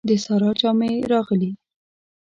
د سارا جامې راغلې.